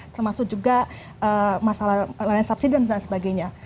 termasuk juga masalah land subsidence dan sebagainya